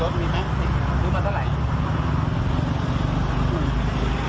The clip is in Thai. รู้มาเท่าไหร่